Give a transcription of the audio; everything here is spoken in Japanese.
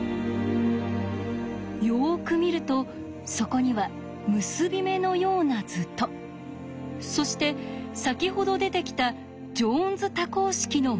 よく見るとそこには結び目のような図とそして先ほど出てきたジョーンズ多項式の文字が。